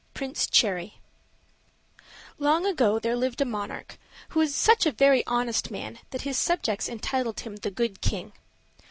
PRINCE CHERRY LONG ago there lived a monarch, who was such a very, honest man that his subjects entitled him the Good King.